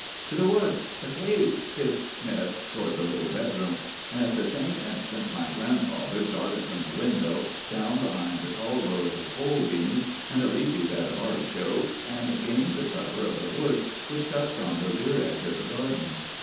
"'To the woods! The cave!' hissed Smith toward the little bedroom; and at the same instant my grandfather darted from the window, down behind the tall rows of pole beans and a leafy bed of artichokes, and gained the cover of the woods which touched on the rear edge of the garden.